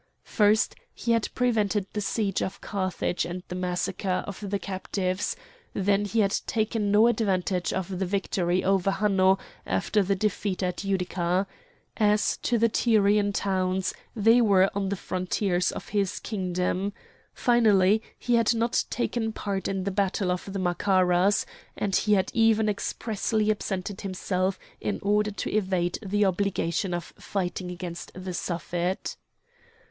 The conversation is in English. First, he had prevented the siege of Carthage and the massacre of the captives; then he had taken no advantage of the victory over Hanno after the defeat at Utica. As to the Tyrian towns, they were on the frontiers of his kingdom. Finally he had not taken part in the battle of the Macaras; and he had even expressly absented himself in order to evade the obligation of fighting against the Suffet.